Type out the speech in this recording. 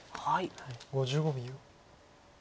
５５秒。